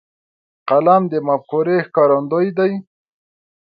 قلم د مفکورې ښکارندوی دی.